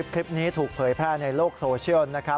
คลิปนี้ถูกเผยแพร่ในโลกโซเชียลนะครับ